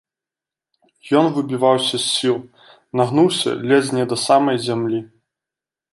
Ён выбіваўся з сіл, нагнуўся ледзь не да самай зямлі.